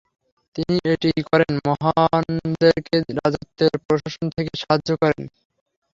তিনি এটি করেন মহানদেরকে রাজত্বের প্রশাসন থেকে সাহায্য করার জন্য।